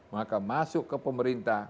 maka masuk ke pemerintah